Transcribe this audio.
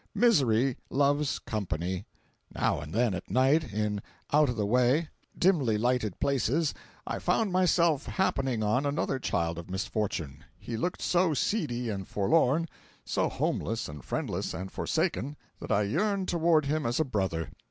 Misery loves company. Now and then at night, in out of the way, dimly lighted places, I found myself happening on another child of misfortune. He looked so seedy and forlorn, so homeless and friendless and forsaken, that I yearned toward him as a brother.